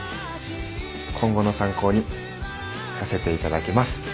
今後の参考にさせて頂きます。